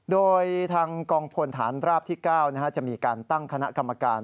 โดยทางกองพลฐานราบที่๙จะมีการตั้งคณะกรรมการ